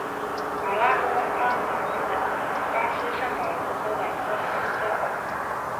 马拉波阿马是巴西圣保罗州的一个市镇。